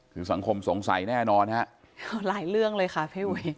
คือสังคมสงสัยแน่นอนฮะหลายเรื่องเลยค่ะพี่อุ๋ย